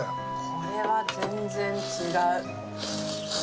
これは全然違う。